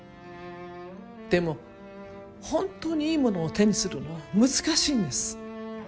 でも本当にいいものを手にするのは難しいんです。